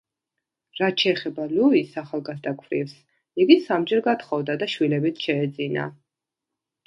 რაც შეეხება ლუის ახალგაზრდა ქვრივს, იგი კიდევ სამჯერ გათხოვდა და შვილებიც შეეძინა.